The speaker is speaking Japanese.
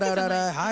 はい。